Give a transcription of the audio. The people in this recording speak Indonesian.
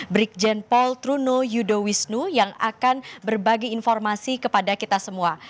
brikjen pol truno yudowisnu yang akan berbagi informasi kepada kita semua